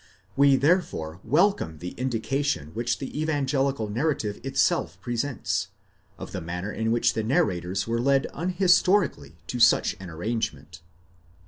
We therefore welcome the indication which the evangelical narra tive itself presents, of the manner in which the narrators were led unhistori cally to such an arrangement.